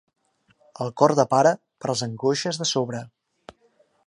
El cor de pare, per les angoixes de sobre.